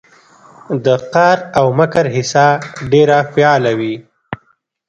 د قار او مکر حصه ډېره فعاله وي